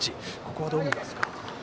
ここはどう見ますか？